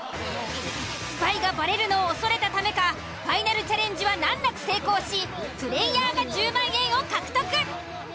スパイがバレるのを恐れたためかファイナルチャレンジは難なく成功しプレイヤーが１０万円を獲得。